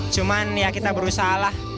cuman ya kita berusaha lah